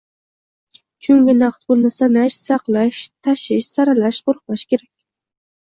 Chunki naqd pulni sanash, saqlash, tashish, saralash, qo'riqlash kerak